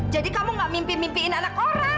jadi kamu nggak mimpi mimpiin anak orang